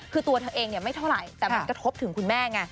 คือตัวเธอเองไม่เท่าไหร่แต่มันกระทบถึงคุณแม่ไง